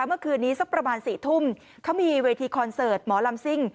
เมื่อคืนนี้สักประมาณ๔ทุ่มเขามีเวทีคอนเสิร์ตหมอลำซิ่ง